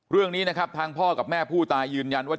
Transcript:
เรื่องนี้นะครับทางพ่อกับแม่ผู้ตายยืนยันว่า